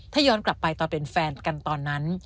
ถ้าย้อนกลับไปตอนเป็นแฟนกันตอนนั้น